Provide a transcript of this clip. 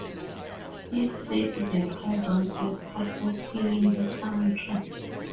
He said the pardons were part of healing the country.